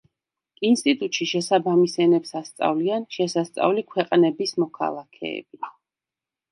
ინსტიტუტში შესაბამის ენებს ასწავლიან შესასწავლი ქვეყნების მოქალაქეები.